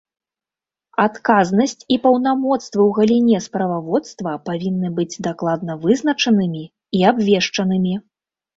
Адказнасць і паўнамоцтвы ў галіне справаводства павінны быць дакладна вызначанымі і абвешчанымі.